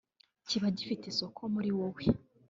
kiba gifite isoko muri wowe